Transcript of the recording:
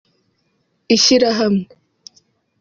Ishyirahamwe